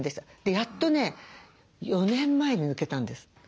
やっとね４年前に抜けたんです。